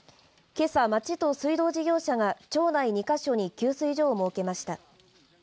けさ、町と水道事業者が町内２か所に給水所を設けました。